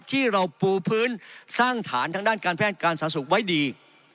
ที่เราปูพื้นสร้างฐานทางด้านการแพทย์การสาธารณสุขไว้ดี